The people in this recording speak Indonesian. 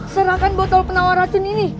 serangkan botol penawar racun ini